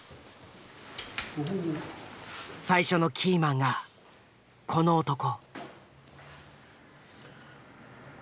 最初のキーマンがこの男。